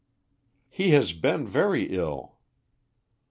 "He has been very ill."